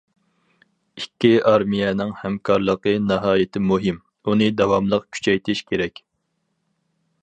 ئىككى ئارمىيەنىڭ ھەمكارلىقى ناھايىتى مۇھىم، ئۇنى داۋاملىق كۈچەيتىش كېرەك.